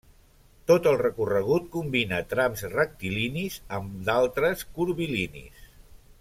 Tot el recorregut combina trams rectilinis amb d'altres curvilinis.